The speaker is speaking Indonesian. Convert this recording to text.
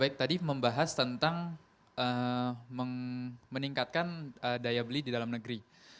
baik tadi membahas tentang meningkatkan daya beli di dalam negeri